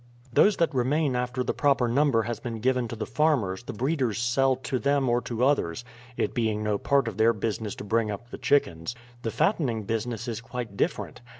"Those that remain after the proper number has been given to the farmers the breeders sell to them or to others, it being no part of their business to bring up the chickens. The fattening business is quite different.